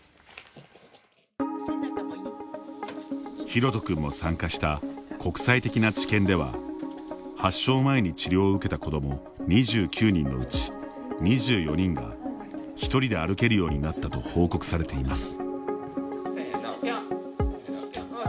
ヒロト君も参加した国際的な治験では発症前に治療を受けた子ども２９人のうち、２４人が一人で歩けるようになったと報告されています。